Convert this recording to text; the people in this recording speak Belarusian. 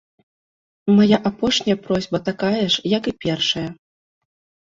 Мая апошняя просьба такая ж, як і першая.